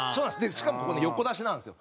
しかもここね横出しなんですよ。